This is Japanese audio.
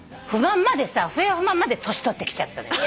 不平不満まで年取ってきちゃった。